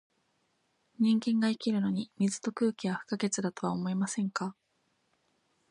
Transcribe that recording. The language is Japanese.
人間が生きるのに、水と空気は不可欠だとは思いませんか？